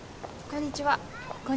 こんにちは。